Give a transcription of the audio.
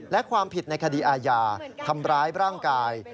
และความผิดในคดีอาญาทำร้ายร่างกาย